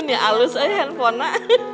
ini halus aja handphonenya